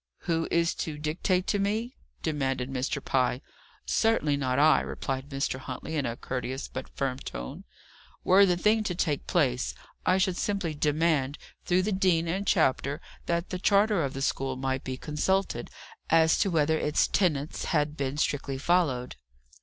"Who is to dictate to me?" demanded Mr. Pye. "Certainly not I," replied Mr. Huntley, in a courteous but firm tone. "Were the thing to take place, I should simply demand, through the Dean and Chapter, that the charter of the school might be consulted, as to whether its tenets had teen strictly followed."